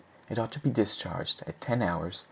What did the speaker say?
It ought to be discharged at 10hrs.